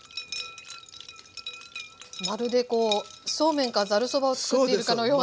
まるでこうそうめんかざるそばをつくっているかのような。